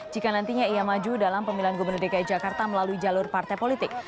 jika nantinya ia maju dalam pemilihan gubernur dki jakarta melalui jalur partai politik